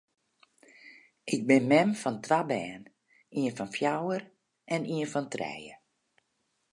Ik bin mem fan twa bern, ien fan fjouwer en ien fan trije.